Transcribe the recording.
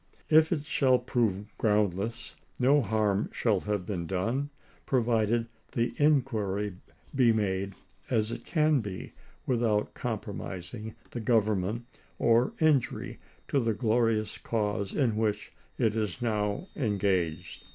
If it shall prove groundless no harm shall have been done, provided the inquiry be made, as it can be, without compromising the Government or injury to the glorious cause in which it is now engaged.